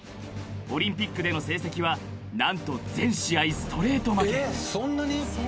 ［オリンピックでの成績は何と全試合ストレート負け］